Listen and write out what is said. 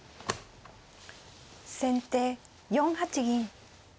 先手４八銀。